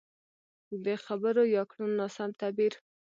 د خبرو يا کړنو ناسم تعبير.